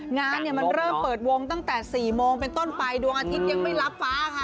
งานเนี่ยมันเริ่มเปิดวงตั้งแต่๔โมงเป็นต้นไปดวงอาทิตย์ยังไม่รับฟ้าค่ะ